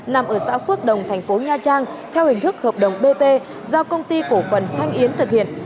nằm ở xã phước đồng thành phố nha trang theo hình thức hợp đồng bt do công ty cổ phần thanh yến thực hiện